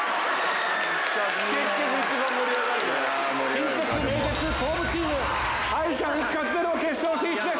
近鉄・名鉄・東武チーム敗者復活での決勝進出です。